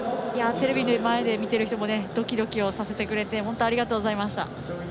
テレビの前で見ている人もドキドキさせてくれて本当にありがとうございました。